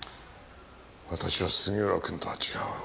私は杉浦君とは違う。